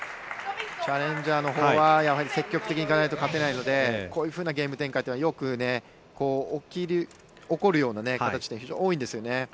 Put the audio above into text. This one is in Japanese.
チャレンジャーのほうは積極的に行かないと勝てないのでこういうふうなゲーム展開というのはよく起こるような形で非常に多いんですね。